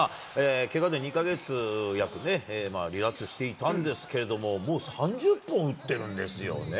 けがで約２か月、離脱していたんですけれども、もう３０本打ってるんですよね。